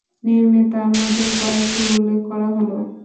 নিম্নে তার মধ্যে কয়েকটি উল্লেখ করা হল-